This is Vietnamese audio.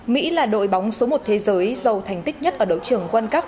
mỹ là đội bóng số một thế giới giàu thành tích nhất ở đấu trường quân cấp